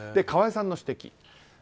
川井さんの指摘。